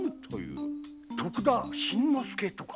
徳田新之助とか。